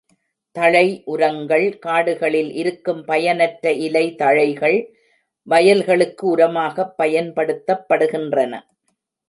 தழை உரங்கள் காடுகளில் இருக்கும் பயனற்ற இலை தழைகள் வயல்களுக்கு உரமாகப் பயன்படுத்தப்படுகின்றன.